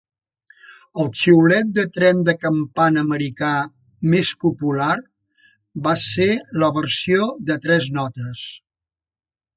El xiulet de tren de campana americà més popular va ser la versió de tres notes.